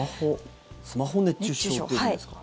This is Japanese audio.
スマホ熱中症っていうんですか。